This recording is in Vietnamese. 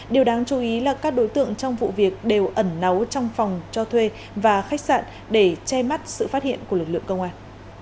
điều đáng chú ý là các đối tượng trong vụ việc đều ẩn náu trong phòng cho thuê và khách sạn để che mắt sự phát hiện của lực lượng công an